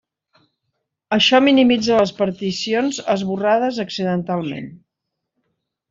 Això minimitza les particions esborrades accidentalment.